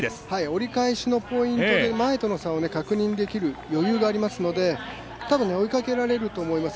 折り返し返しのポイントで前との差を確認できる余裕がありますのでたぶん、追いかけられると思います。